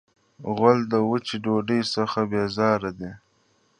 غول د وچې ډوډۍ څخه بیزار دی.